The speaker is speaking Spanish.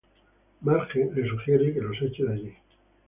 Marge le sugiere que los eche de allí.